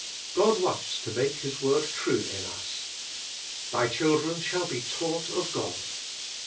God wants to make His Word true in us. " Thy children shall be taught of God.